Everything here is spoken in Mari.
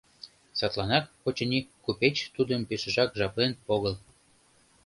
Садланак, очыни, купеч тудым пешыжак жаплен огыл.